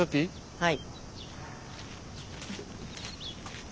はい。